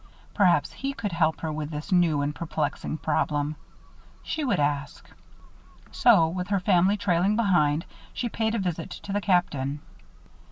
Perhaps he could help her with this new and perplexing problem. She would ask. So, with her family trailing behind, she paid a visit to the Captain.